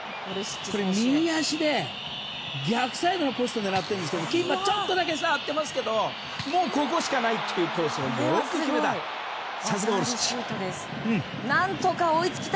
右足で逆サイドのポストを狙ってるんですけどキーパー、ちょっとだけ触ってますけどもう、ここしかないというコースを、よく狙った。